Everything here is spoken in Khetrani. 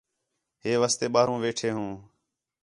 ہے واسطے ٻاہروں ویٹھے ہوں